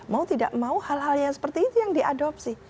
mau tidak mau hal hal yang seperti itu yang diadopsi